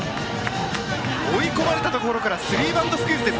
追い込まれたところからスリーバントスクイズ。